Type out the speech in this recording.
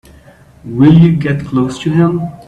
Will you get close to him?